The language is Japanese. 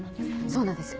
そうなんです